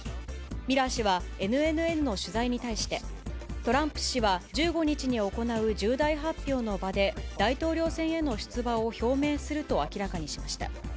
ミラー氏は、ＮＮＮの取材に対して、トランプ氏は１５日に行う重大発表の場で、大統領選への出馬を表明すると明らかにしました。